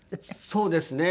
そうですね。